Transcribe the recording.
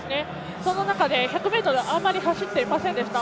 その中で１００ｍあまり走っていませんでした。